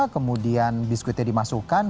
kemudian biskuitnya dimasukkan